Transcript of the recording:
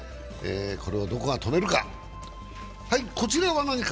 これをどこが止めるか。